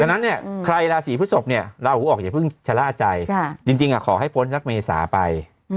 ฉะนั้นใครราศีพฤศพราหูออกอย่าพึ่งชะล่าใจจริงขอให้พ้นสักเมษาไป